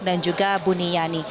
dan juga buniyani